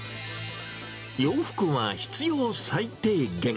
洋服は必要最低限。